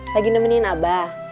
lagi nemenin abah